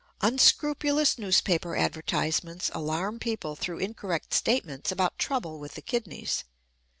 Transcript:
Unscrupulous newspaper advertisements alarm people through incorrect statements about trouble with the kidneys.